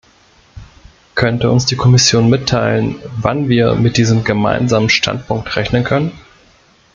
Könnte uns die Kommission mitteilen, wann wir mit diesem Gemeinsamen Standpunkt rechnen können?